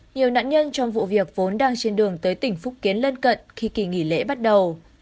nhiều nạn nhân trong vụ việc vốn đang trên đường tới tỉnh phúc kiến lân cận khi kỳ nghỉ lễ bắt đầu